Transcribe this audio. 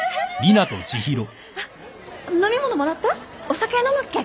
お酒飲むっけ？